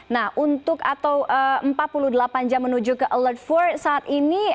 nah untuk atau empat puluh delapan jam menuju ke alert for saat ini